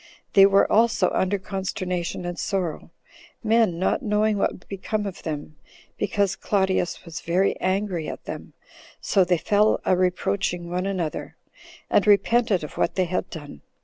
They were also under consternation and sorrow, men not knowing what would become of them, because Claudius was very angry at them; so they fell a reproaching one another, and repented of what they had done.